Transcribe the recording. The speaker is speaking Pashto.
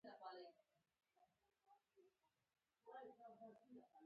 زموږ د ژبې تاریخ زوړ دی او متلونه هم زاړه دي